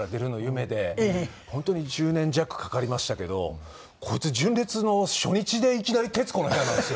本当に１０年弱かかりましたけどこいつ純烈の初日でいきなり『徹子の部屋』なんですよ。